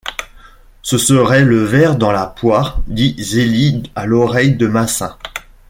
Ce serait le ver dans la poire, dit Zélie à l’oreille de Massin.